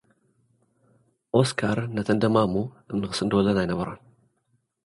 ኦስካር፡ ነተን ደማሙ እምኒ ክስንድወለን ኣይነበሮን።